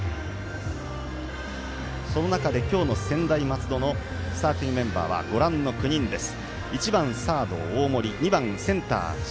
その中で今日の専大松戸のスターティングメンバーはご覧の９人です。